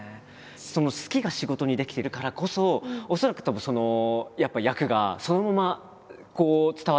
その「好き」が仕事にできてるからこそ恐らくたぶんその役がそのままこう伝わってくるというか。